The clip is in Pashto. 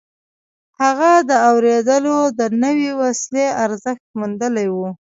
هغه د اورېدلو د نوې وسيلې ارزښت موندلی و.